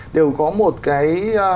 đều có một cái